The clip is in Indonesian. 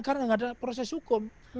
karena tidak ada proses hukum